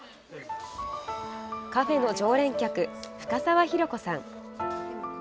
カフェの常連客深澤尋子さん。